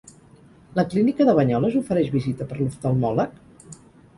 La clínica de Banyoles ofereix visita per l'oftalmòleg?